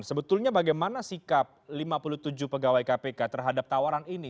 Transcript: sebetulnya bagaimana sikap lima puluh tujuh pegawai kpk terhadap tawaran ini